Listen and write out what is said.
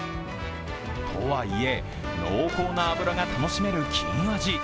とはいえ、濃厚な脂が楽しめる金アジ。